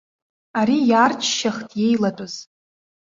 Ари иаарччахт иеилатәаз.